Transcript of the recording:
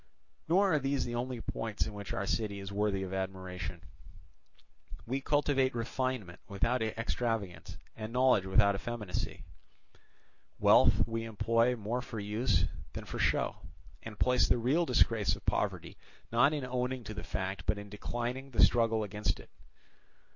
"Nor are these the only points in which our city is worthy of admiration. We cultivate refinement without extravagance and knowledge without effeminacy; wealth we employ more for use than for show, and place the real disgrace of poverty not in owning to the fact but in declining the struggle against it.